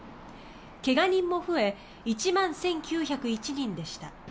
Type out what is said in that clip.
怪我人も増え１万１９０１人でした。